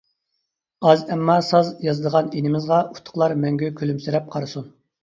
ئاز ئەمما ساز يازىدىغان ئىنىمىزغا ئۇتۇقلار مەڭگۈ كۈلۈمسىرەپ قارىسۇن!